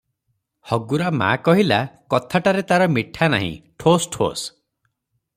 "ହଗୁରା ମା କହିଲା, କଥାଟାରେ ତାର ମିଠା ନାହିଁ, ଠୋସ୍ ଠୋସ୍ ।"